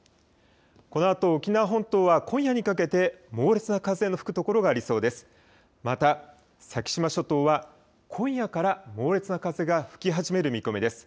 このあと沖縄本島は今夜にかけて猛烈な風の吹く所がありそうです。